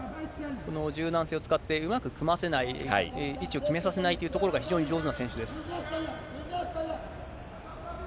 この柔軟性を使ってうまく組ませない、位置を決めさせないというところが、非常に上手な選手です。